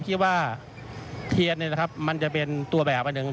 คิดว่าเทียนมันจะเป็นตัวแบบอันหนึ่ง